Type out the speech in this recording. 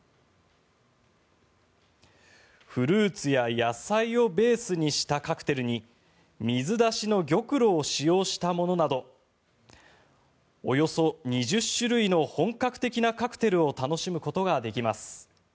フルーツや野菜をベースにしたカクテルに水出しの玉露を使用したものなどおよそ２０種類の本格的なカクテルを楽しむことができます。